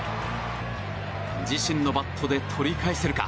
自身のバットで取り返せるか。